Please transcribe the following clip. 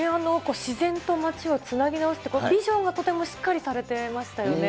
自然と街をつなぎ直すっていうビジョンがとてもしっかりされてましたよね。